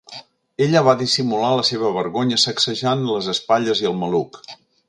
Ella va dissimular la seva vergonya sacsejant les espatlles i el maluc.